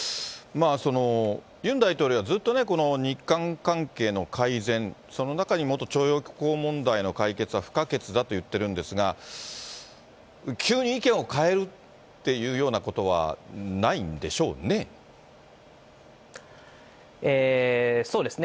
ユン大統領はずっとこの日韓関係の改善、その中に、元徴用工問題の解決は不可欠だと言ってるんですが、急に意見を変えるっていうようなことはないんでしょうね？